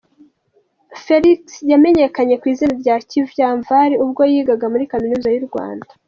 N Felix: Yamenyekanye ku izina rya Kivamvari ubwo yigaga muri Kaminuza y’u Rwanda .